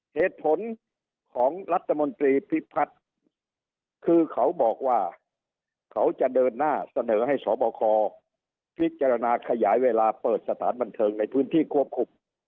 เหตุผลของรัฐมนตรีพิพัฒน์คือเขาบอกว่าเขาจะเดินหน้าเสนอให้สบคพิจารณาขยายเวลาเปิดสถานบันเทิงในพื้นที่ควบคุม